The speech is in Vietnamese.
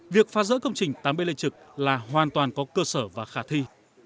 việc phá rỡ công trình tám b lê trực là hoàn toàn có cơ sở và khả thi